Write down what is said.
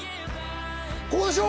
ここでしょ？